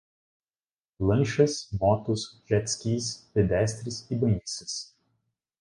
lanchas, motos, jet-skis, pedestres e banhistas